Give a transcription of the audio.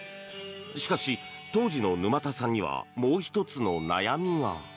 しかし当時の沼田さんにはもう１つの悩みが。